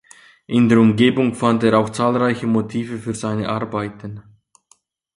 In der Umgebung fand er auch zahlreiche Motive für seine Arbeiten.